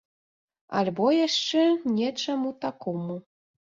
Альбо яшчэ нечаму такому.